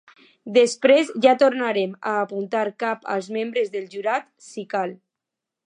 Després ja tornarem a apuntar cap als membres del jurat, si cal.